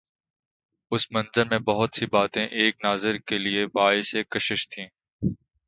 اس منظر میں بہت سی باتیں ایک ناظر کے لیے باعث کشش تھیں۔